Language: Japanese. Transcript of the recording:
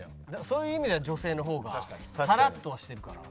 そういう意味では女性の方がサラッとはしてるから。